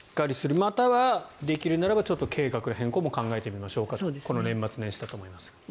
または、できるならば計画変更も考えてみましょうかこの年末年始だと思います。